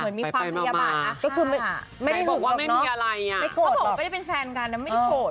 เหมือนมีความพยาบาลนะฮะแบบไม่หุกหลอกนะไม่โกรธเหรอไม่โกรธ